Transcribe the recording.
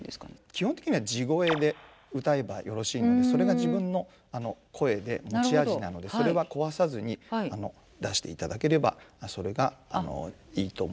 基本的には地声で歌えばよろしいのでそれが自分の声で持ち味なのでそれは壊さずに出していただければそれがいいと思いますけれども。